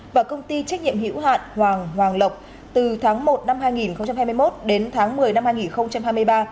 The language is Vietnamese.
và công ty trách nhiệm hữu hạn hoàng hoàng lộc từ tháng một năm hai nghìn hai mươi một đến tháng một mươi năm hai nghìn hai mươi ba